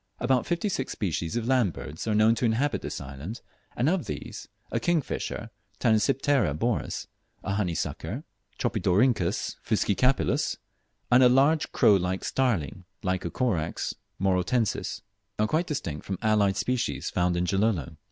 About fifty six species of land birds are known to inhabit this island, and of these, a kingfisher (Tanysiptera Boris), a honey sucker (Tropidorhynchus fuscicapillus), and a large crow like starling (Lycocorax morotensis), are quite distinct from allied species found in Gilolo.